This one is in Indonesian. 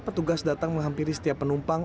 petugas datang menghampiri setiap penumpang